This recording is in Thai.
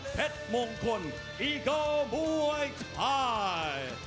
เพชรมงค์คุณอีกโกบ๊วยไทย